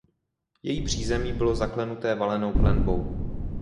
Její přízemí bylo zaklenuté valenou klenbou.